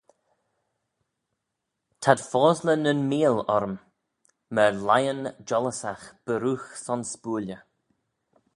T'ad fosley nyn meeal orrym: myr lion jollyssagh buirroogh son spooilley.